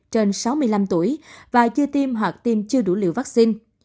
trên sáu mươi năm tuổi và chưa tiêm hoặc tiêm chưa đủ liều vaccine